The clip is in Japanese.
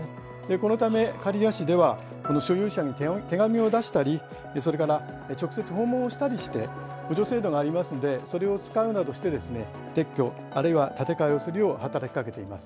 このため刈谷市ではこの所有者に手紙を出したり、それから直接訪問をしたりして、補助制度がありますので、それを使うなどして、撤去、あるいは建て替えをするよう働きかけています。